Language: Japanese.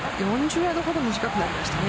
４０ヤードほど短くなりました。